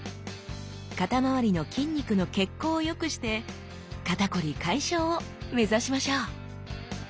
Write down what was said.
肩まわりの筋肉の血行をよくして肩こり解消を目指しましょう！